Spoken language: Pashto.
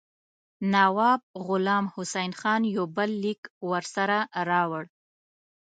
نواب غلام حسین خان یو بل لیک ورسره راوړ.